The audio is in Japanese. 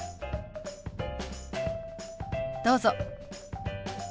どうぞ。